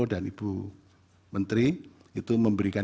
taf thi tersebut bertukah membersihkan